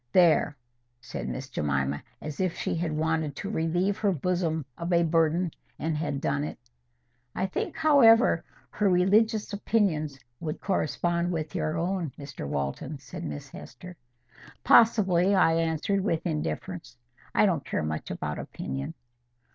There!" said Miss Jemima, as if she had wanted to relieve her bosom of a burden, and had done it. "I think, however, her religious opinions would correspond with your own, Mr Walton," said Miss Hester. "Possibly," I answered, with indifference; "I don't care much about opinion."